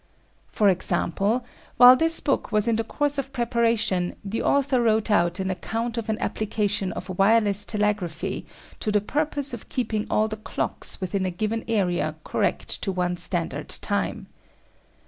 For example, while this book was in course of preparation the author wrote out an account of an application of wireless telegraphy to the purpose of keeping all the clocks within a given area correct to one standard time.